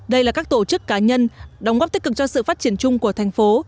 đây là các tổ chức cá nhân đóng góp tích cực cho sự phát triển chung của thành phố